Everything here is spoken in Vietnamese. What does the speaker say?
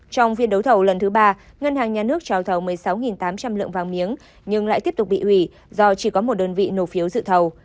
trong phiên đấu thầu lần thứ ba ngân hàng nhà nước trào thầu một mươi sáu tám trăm linh lượng vàng miếng nhưng lại tiếp tục bị hủy do chỉ có một đơn vị nộp phiếu dự thầu